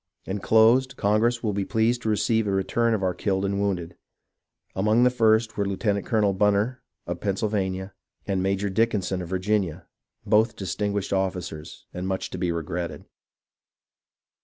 Enclosed, Congress will be pleased to receive a return of our killed and wounded. Among the first were Lieutenant colonel Bunner of Pennsylvania, and Major Dickinson of Virginia, — both distinguished officers, and much to be regretted.